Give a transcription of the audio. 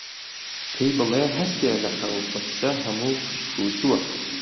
پێی بڵێ هەستێ لە خەو، خونچە هەموو پشکووتووە